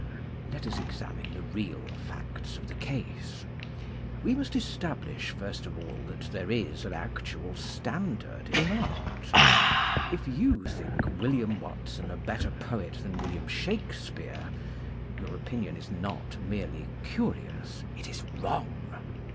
Let us examine the real facts of the case. We must establish first of all that there is an actual standard in art. If you think William Watson a better poet than William Shakespeare, your opinion is not merely curious, it is wrong.